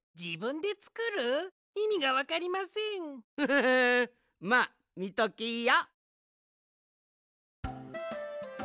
フフフンまあみときや！